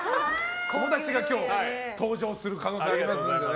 友達が今日登場する可能性がありますので。